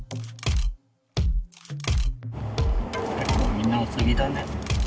みんな薄着だね。